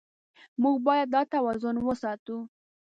موږ باید دا توازن وساتو.